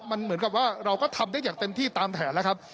มันเหมือนกับว่าเราก็ทำได้อย่างเต็มที่ตามแผนแล้วครับ